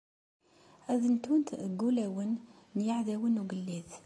Ad ntunt deg wulawen n yiεdawen n ugellid.